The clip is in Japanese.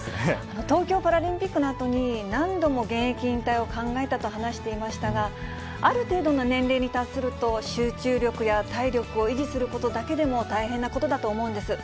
東京パラリンピックのあとに、何度も現役引退を考えたと話していましたが、ある程度の年齢に達すると、集中力や体力を維持することだけでも大変なことだと思うんです。